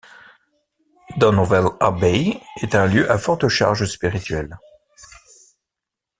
Donwell Abbey est un lieu à forte charge spirituelle.